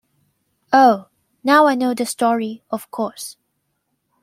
Oh, now I know the story, of course.